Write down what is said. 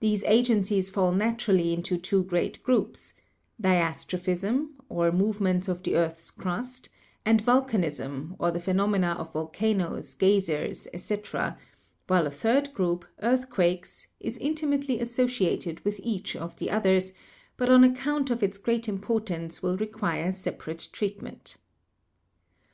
These agencies fall naturally into two great groups : Di astrophism, or movements of the earth's crust; and Vul canism, or the phenomena of volcanoes, geysers, etc.; while a third group, Earthquakes, is intimately associated with each of the others, but on account of its great im portance will require separate treatment.